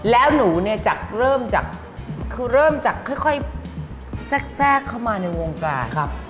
แล้วหนูเนี่ยเริ่มจากค่อยแทรกเข้ามาในวงการ